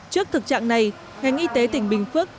trước thực trạng này ngành y tế tỉnh bình phước